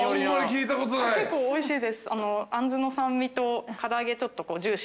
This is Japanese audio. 結構おいしいです。